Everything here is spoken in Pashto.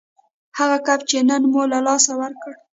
هغه کب چې نن مو له لاسه ورکړ